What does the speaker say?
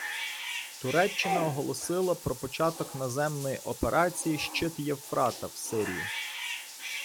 Туреччина оголосила про початок наземної операції «Щит Євфрата» в Сирії.